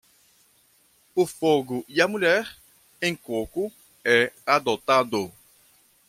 O fogo e a mulher, em coco, é adotado.